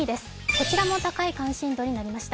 こちらも高い関心度になりました。